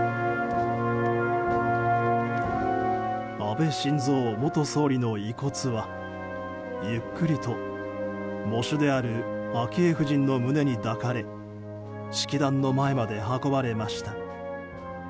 安倍晋三元総理の遺骨はゆっくりと喪主である昭恵夫人の胸に抱かれ式壇の前まで運ばれました。